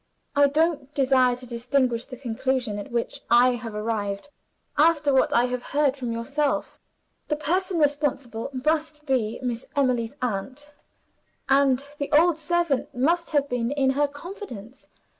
I don't desire to disguise the conclusion at which I have arrived after what I have heard from yourself. The person responsible must be Miss Emily's aunt and the old servant must have been in her confidence.